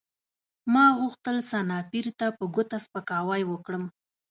ما غوښتل سنایپر ته په ګوته سپکاوی وکړم